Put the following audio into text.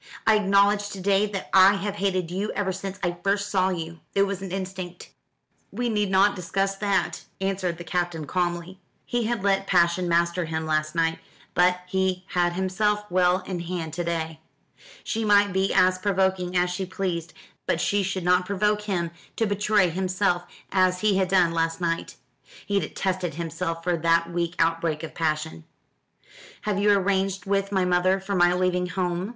I acknowledge to day that I have hated you ever since I first saw you. It was an instinct." "We need not discuss that," answered the Captain calmly. He had let passion master him last night, but he had himself well in hand to day. She might be as provoking as she pleased, but she should not provoke him to betray himself as he had done last night. He detested himself for that weak outbreak of passion. "Have you arranged with my mother for my leaving home?"